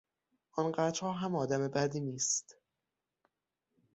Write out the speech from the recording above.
آنقدرها هم آدم بدی نیست.